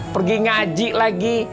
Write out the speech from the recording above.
pergi ngaji lagi